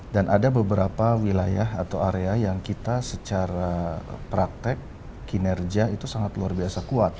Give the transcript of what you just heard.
dan ada beberapa wilayah atau area yang kita secara praktek kinerja itu sangat luar biasa kuat